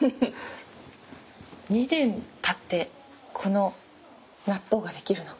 ２年たってこの納豆ができるのか。